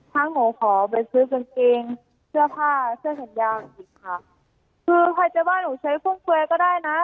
หนูขอไปซื้อกางเกงเสื้อผ้าเสื้อแขนยาวอีกค่ะคือใครจะว่าหนูใช้ฟุ่มเฟือยก็ได้นะ